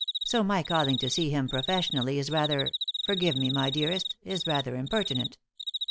So my calling to see him professionally is rather forgive me, my dearest is rather impertinent."